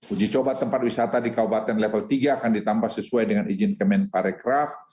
uji coba tempat wisata di kabupaten level tiga akan ditambah sesuai dengan izin kemen parekraf